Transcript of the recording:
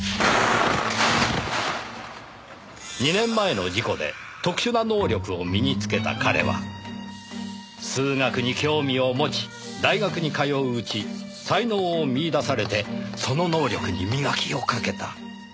２年前の事故で特殊な能力を身につけた彼は数学に興味を持ち大学に通ううち才能を見いだされてその能力に磨きをかけた。